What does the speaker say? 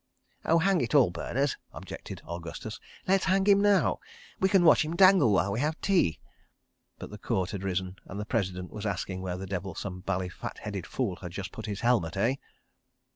..." "Oh, hang it all, Berners," objected Augustus, "let's hang him now. We can watch him dangle while we have tea. ..." But the Court had risen, and the President was asking where the devil some bally, fat headed fool had put his helmet, eh?